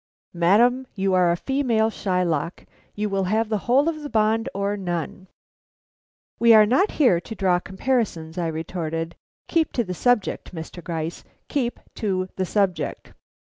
"Madam, you are a female Shylock; you will have the whole of the bond or none." "We are not here to draw comparisons," I retorted. "Keep to the subject, Mr. Gryce; keep to the subject."